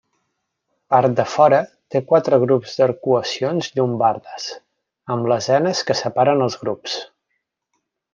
Part defora, té quatre grups d'arcuacions llombardes, amb lesenes que separen els grups.